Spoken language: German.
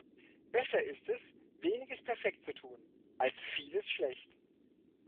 Besser ist es, Weniges perfekt zu tun, als Vieles schlecht.